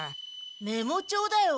メモ帳だよ。